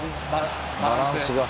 バランスが。